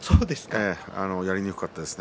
やりにくかったですね。